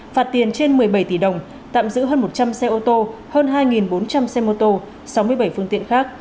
phạt tiền trên một mươi bảy tỷ đồng tạm giữ hơn một trăm linh xe ô tô hơn hai bốn trăm linh xe mô tô sáu mươi bảy phương tiện khác